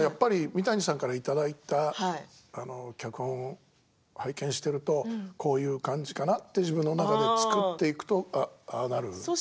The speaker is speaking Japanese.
やっぱり三谷さんからいただいた脚本を拝見しているとこういう感じかな？って自分の中で作っていくとああなるんですね。